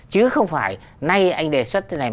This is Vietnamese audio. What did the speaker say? chứ không phải nay anh đề xuất thế này